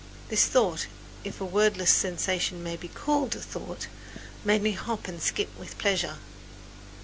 This thought, if a wordless sensation may be called a thought, made me hop and skip with pleasure.